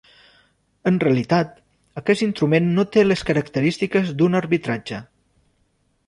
En realitat, aquest instrument no té les característiques d'un arbitratge.